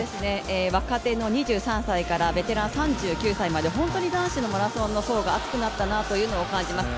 若手の２３歳からベテランの３９歳まで、本当に男子のマラソンの層が厚くなったのを感じます。